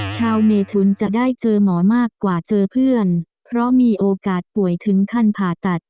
ชาวเมทุนจะได้เจอหมอมากกว่าเจอเพื่อนเพราะมีโอกาสป่วยถึงขั้นผ่าตัด